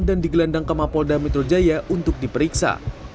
dan digelandang ke mapolda metro jaya untuk diperiksa